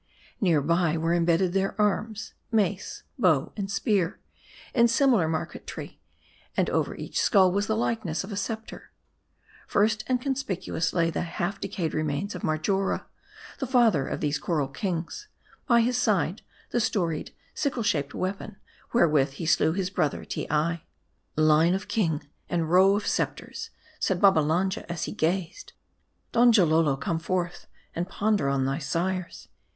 Near by, were imbedded their arms : maee, bow, and spear, in similar marquetry ; and over each skull was the likeness of a scepter. First and conspicuous lay the half decayed remains of Marjora, the father of these Coral Kings ; by his side, the storied, sickle shaped weapon, wherewith he slew his brother Teei. " Line of kings and row of scepters," said Babbalanja as he gazed. " Donjalolo, come forth and ponder on thy sires.